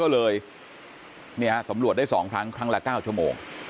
ก็เลยสำรวจได้๒ครั้งครั้งละ๙ชั่วโมง